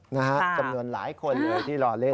นะฮะจำนวนหลายคนเลยที่รอเล่น